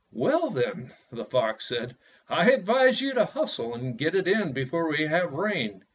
"Well, then," the fox said, "I advise you to hustle and get it in before we have rain.